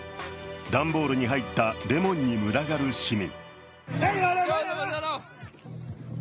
段ボールに入ったレモンに群がる市民。